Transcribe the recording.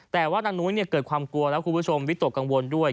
แต่ว่านางนุ้ยเกิดความกลัวแล้วคุณผู้ชมวิตกกังวลด้วย